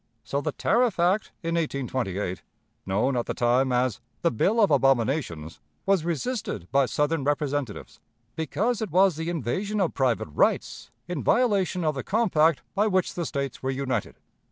So the tariff act in 1828, known at the time as "the bill of abominations," was resisted by Southern representatives, because it was the invasion of private rights in violation of the compact by which the States were united.